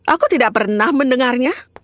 aku tidak pernah mendengarnya